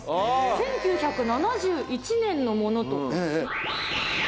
１９７１年のものと。